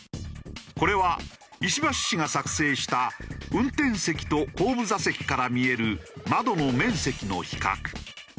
これは石橋氏が作成した運転席と後部座席から見える窓の面積の比較。